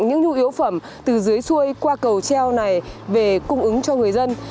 những nhu yếu phẩm từ dưới xuôi qua cầu treo này về cung ứng cho người dân